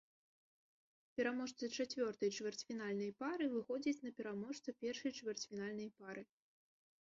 Пераможца чацвёртай чвэрцьфінальнай пары выходзіць на пераможца першай чвэрцьфінальнай пары.